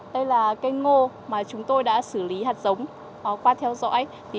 đây là cây ngô mà chúng tôi đã xử lý hạt giống qua theo dõi